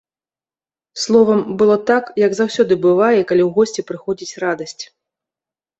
Словам, было так, як заўсёды бывае, калі ў госці прыходзіць радасць.